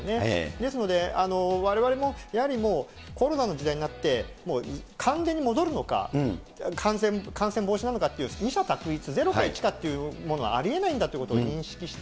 ですので、われわれもやはり、コロナの時代になって、もう完全に戻るのか、感染防止なのかという、二者択一、０か１かというものはありえないんだということを認識して、